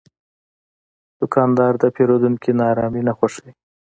دوکاندار د پیرودونکي ناارامي نه خوښوي.